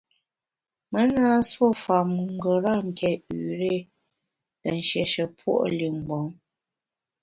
Me na nsuo fam ngeram ké te nshiéshe puo’ li mgbom.